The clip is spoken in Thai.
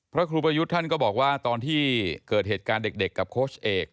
พระครูประยุทธ์ท่านก็บอกว่าตอนที่เกิดเหตุการณ์เด็กกับโค้ชเอก